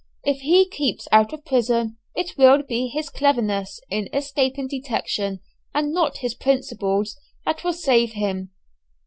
If he keeps out of prison, it will be his cleverness in escaping detection and not his principles that will save him.